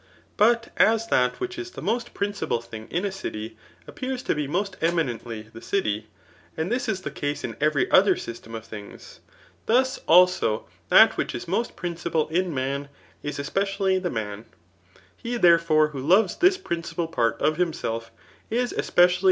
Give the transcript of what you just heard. But as that which is the most principal thing in a city, appears to be most eminently the city, and this is the case in every other system of things ; thus, also, that which is most principal in man is especially the man* He, therefore, who loves this principal part of himself, is especially.